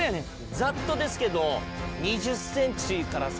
ざっとですけど。